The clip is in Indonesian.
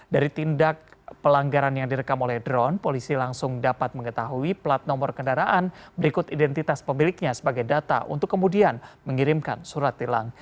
dari tindak pelanggaran yang direkam oleh drone polisi langsung dapat mengetahui plat nomor kendaraan berikut identitas pemiliknya sebagai data untuk kemudian mengirimkan surat tilang